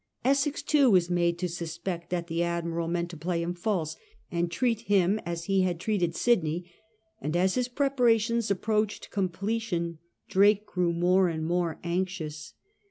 ^ Essex, too, was made to suspect that the Admiral meant to play him false and treat him as he had treated Sydney ; and as his preparations approached com pletion, Drake grew more and more anxious.